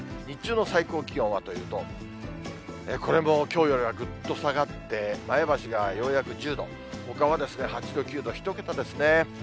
日中の最高気温はというと、これもきょうよりはぐっと下がって、前橋がようやく１０度、ほかは８度、９度、１桁ですね。